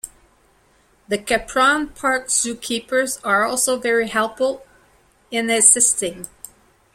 The Capron Park Zoo keepers are also very helpful in assisting.